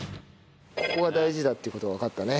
ここが大事だっていう事がわかったね。